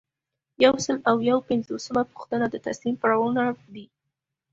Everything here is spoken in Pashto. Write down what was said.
یو سل او یو پنځوسمه پوښتنه د تصمیم پړاوونه دي.